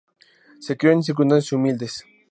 Se crio en circunstancias humildes.